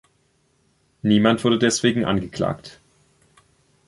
Niemand wurde deswegen angeklagt.